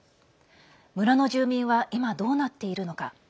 村の住民は今、どうなっているのか。